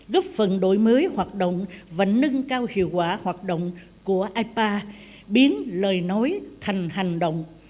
góp phần đổi mới hoạt động và nâng cao hiệu quả hoạt động của ipa biến lời nói thành hành động